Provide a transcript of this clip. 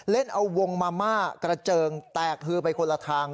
เล่นเอาวงมาม่ากระเจิงแตกฮือไปคนละทาง